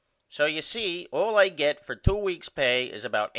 So you see all I get for 2 weeks' pay is about $80.